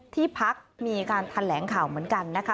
ที่พักมีการแถลงข่าวเหมือนกันนะคะ